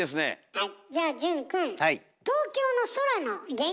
はい。